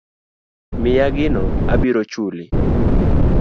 Miya gino abiro chuli.